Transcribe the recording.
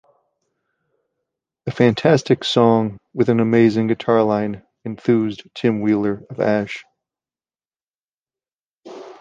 "A fantastic song with an amazing guitar line," enthused Tim Wheeler of Ash.